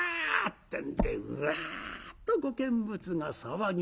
ってんでうわっとご見物が騒ぎ立つ。